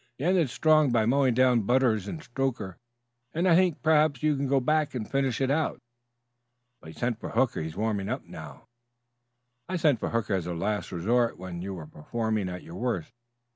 You ended strong by mowing down Butters and Stoker, and I think perhaps you can go back and finish it out." "But you sent for Hooker. He's warming up now." "I sent for Hooker as a last resort when you were performing at your worst.